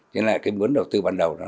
nên là cái mướn đầu tư ban đầu